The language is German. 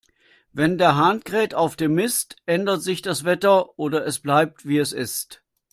Wenn der Hahn kräht auf dem Mist, ändert sich das Wetter, oder es bleibt, wie es ist.